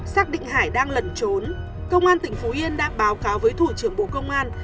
xác định hải đang lẩn trốn công an tỉnh phú yên đã báo cáo với thủ trưởng bộ công an